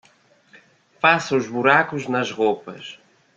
Faça os buracos nas roupas